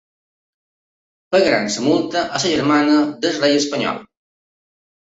Pagaran la multa a la germana del rei espanyol.